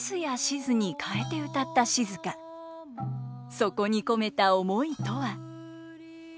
そこに込めた思いとは。